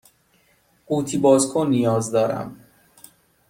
قوطی باز کن نیاز دارم.